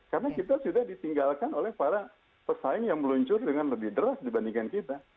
karena kita sudah ditinggalkan oleh para persaing yang meluncur dengan lebih deras dibandingkan kita